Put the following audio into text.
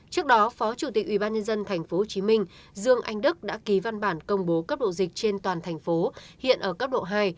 trước đó phó chủ tịch ubnd tp hcm dương anh đức đã ký văn bản công bố cấp độ dịch trên toàn thành phố hiện ở cấp độ hai